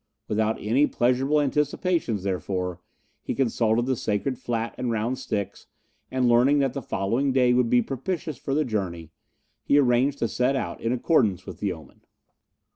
Without any pleasurable anticipations, therefore, he consulted the Sacred Flat and Round Sticks, and learning that the following day would be propitious for the journey, he arranged to set out in accordance with the omen.